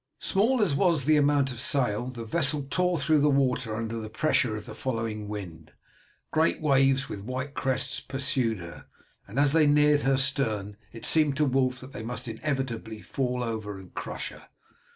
Small as was the amount of sail the vessel tore through the water under the pressure of the following wind. Great waves with white crests pursued her, and as they neared her stern it seemed to Wulf that they must inevitably fall over and crush her.